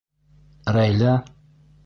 Рәйлә?